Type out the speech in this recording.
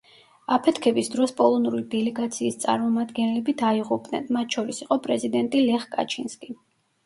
აფეთქების დროს პოლონური დელეგაციის წარმომადგენლები დაიღუპნენ, მათ შორის იყო პრეზიდენტი ლეხ კაჩინსკი.